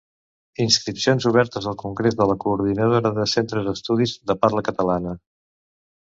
Inscripcions obertes al Congrés de la Coordinadora de Centres d'Estudis de Parla Catalana.